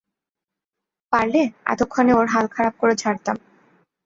পারলে, এতক্ষনে ওর হাল খারাপ করে ছাড়তাম।